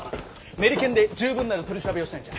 メリケンで十分なる取り調べをしたいんじゃ。